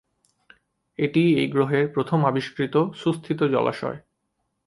এটিই এই গ্রহের প্রথম আবিষ্কৃত সুস্থিত জলাশয়।